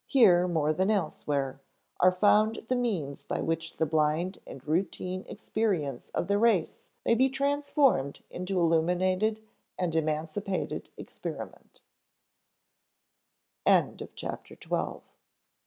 Here, more than elsewhere, are found the means by which the blind and routine experience of the race may be transformed into illuminated and emancipated experimen